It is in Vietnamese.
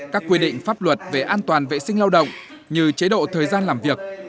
các quy định pháp luật về an toàn vệ sinh lao động như chế độ thời gian làm việc